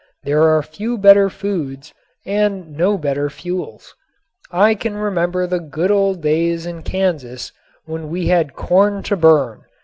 There are few better foods and no better fuels. I can remember the good old days in Kansas when we had corn to burn.